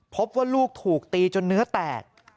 พบว่าลูกถูกตีจนเนื้อแตก